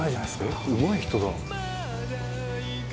「えっうまい人だ」